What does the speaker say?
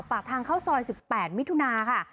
ปากทางเข้าซอย๑๘มิถุนาค่ะ